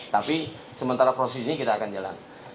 tapi sementara proses ini kita akan jalan